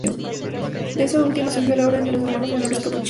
De esta última surgió la Orden de los Hermanos Menores Capuchinos.